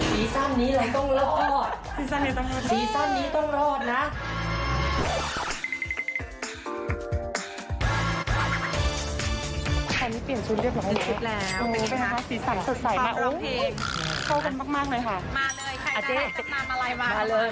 ซีสันนี้ต้องรอดนะ